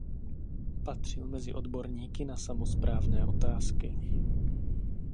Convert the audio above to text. Patřil mezi odborníky na samosprávné otázky.